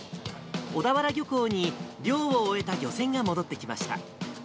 小田原漁港に漁を終えた漁船が戻ってきました。